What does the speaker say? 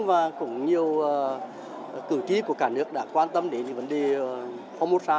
và cũng nhiều cử trí của cả nước đã quan tâm đến vấn đề phongposa